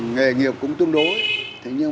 nghề nghiệp cũng tương đối